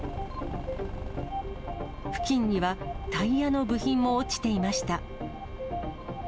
付近にはタイヤの部品も落ちていました。